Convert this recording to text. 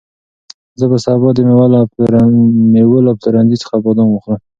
زه به سبا د مېوو له پلورنځي څخه بادام واخلم.